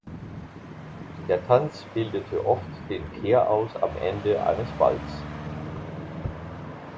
Der Tanz bildete oft den Kehraus am Ende eines Balls.